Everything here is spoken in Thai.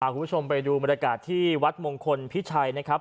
คุณผู้ชมไปดูบรรยากาศที่วัดมงคลพิชัยนะครับ